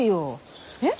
えっ？